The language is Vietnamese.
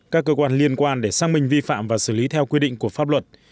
các cơ quan liên quan để xác minh vi phạm và xử lý theo quy định của pháp luật